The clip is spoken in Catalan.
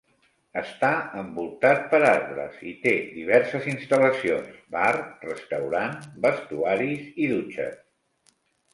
Està envoltat per arbres i té diverses instal·lacions: bar, restaurant, vestuaris i dutxes.